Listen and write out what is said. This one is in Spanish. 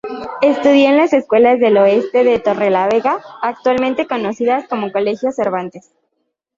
Estudió en las Escuelas del Oeste de Torrelavega, actualmente conocidas como Colegio Cervantes.